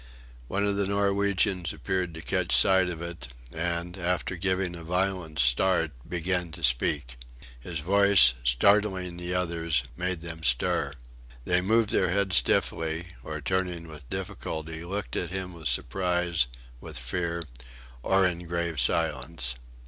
One of the Norwegians appeared to catch sight of it, and, after giving a violent start, began to speak. His voice, startling the others, made them stir. They moved their heads stiffly, or turning with difficulty, looked at him with surprise, with fear, or in grave silence.